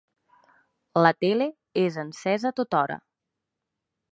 La tele és encesa tothora.